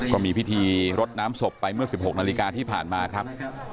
ก็มีพิธีรดน้ำศพไปเมื่อ๑๖นาฬิกาที่ผ่านมาครับ